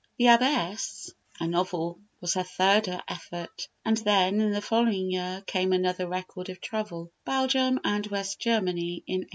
"The Abbess," a novel, was her third effort; and then, in the following year, came another record of travel, "Belgium and Western Germany in 1833."